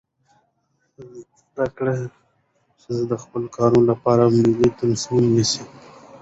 زده کړه ښځه د خپل کاروبار لپاره مالي تصمیم نیسي.